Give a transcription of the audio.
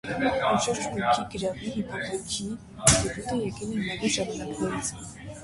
Անշարժ գույքի գրավի (հիպոթեքի) ինստիտուտը եկել է հնագույն ժամանականերից։